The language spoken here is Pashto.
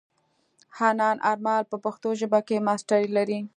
حنان آرمل په پښتو ژبه کې ماسټري لري.